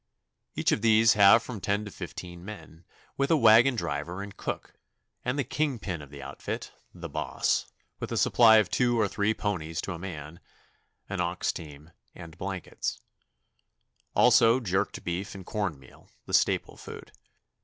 Each of these have from ten to fifteen men, with a wagon driver and cook, and the "king pin of the outfit," the boss, with a supply of two or three ponies to a man, an ox team, and blankets; also jerked beef and corn meal the staple food.